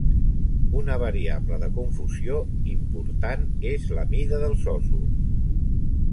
Una variable de confusió important és la mida dels ossos.